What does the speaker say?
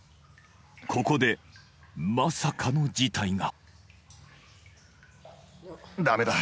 ここでまさかの事態が！